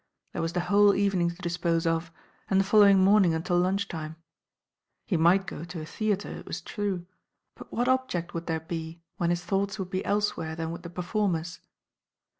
There was the whole evening to dispose of, and the following morning until lunch* time. He might go to a theatre, it was true; but what object would there be when his thoughts would be elsewhere than with the performers?